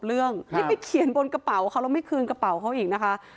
เรื่องที่ไปเขียนบนกระเป๋าเขาแล้วไม่คืนกระเป๋าเขาอีกนะคะ